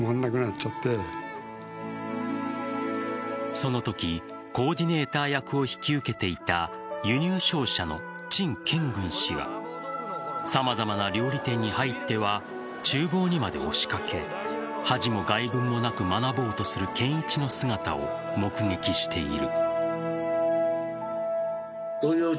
そのときコーディネーター役を引き受けていた輸入商社の陳建軍氏は様々な料理店に入っては厨房にまで押しかけ恥も外聞もなく学ぼうとする建一の姿を目撃している。